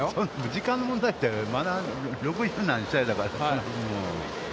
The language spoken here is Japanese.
時間の問題って、まだ六十何試合だから。